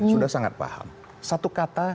sudah sangat paham satu kata